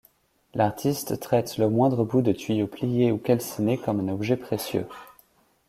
L'artiste traite le moindre bout de tuyau plié ou calciné comme un objet précieux.